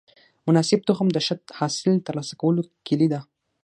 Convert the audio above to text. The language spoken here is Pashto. مناسب تخم د ښه حاصل د ترلاسه کولو کلي ده.